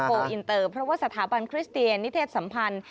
อินเตอร์เพราะว่าสถาบันคริสเตียนนิเทศสัมพันธ์